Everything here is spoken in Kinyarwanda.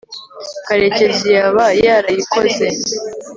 karekezi yaba yarayikoze